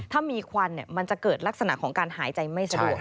ถ้ามีควันมันจะเกิดลักษณะของการหายใจไม่สะดวก